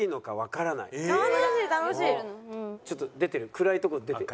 暗いところ出てる。